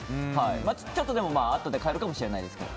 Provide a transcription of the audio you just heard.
ちょっとでもあとで変わるかもしれないですけど。